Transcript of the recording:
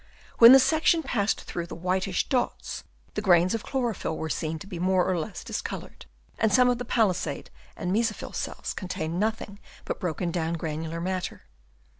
When the section passed through the whitish dots, the grains of chlorophyll were seen to be more or less discoloured, and some of the palisade and mesophyll cells contained nothing but broken down granular matter.